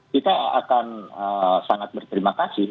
kita akan sangat berterima kasih